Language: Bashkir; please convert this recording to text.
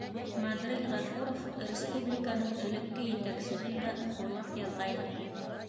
Мадриль Ғәфүров республиканың элекке етәксеһен дә хурлап яҙғайны.